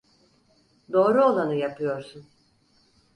Doğru olanı yapıyorsun.